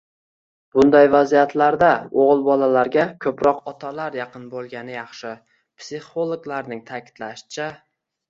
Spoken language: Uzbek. Bunday vaziyatlarda oʻgʻil bolalarga koʻproq otalar yaqin boʻlgani yaxshi. Psixologlarning taʼkidlashicha